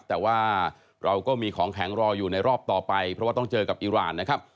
แต่ว่าเราก็มีของแข็งรออยู่ในรอบต่อไปเพราะว่าต้องเจอกับอิราณนะครับ